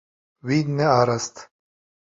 Wî nearast.